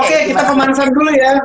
oke kita pemanasan dulu ya